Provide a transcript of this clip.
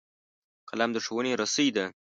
قلم د ښوونې رسۍ ده